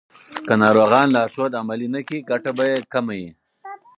که ناروغان لارښود عملي نه کړي، ګټه به یې کمه وي.